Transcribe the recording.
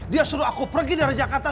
dia suruh aku pergi dari jakarta